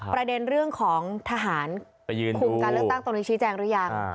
ประเด็นเรื่องของทหารคุมการเลือกตั้งตรงนี้ชี้แจงหรือยัง